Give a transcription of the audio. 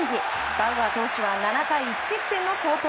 バウアー投手は７回１失点の好投。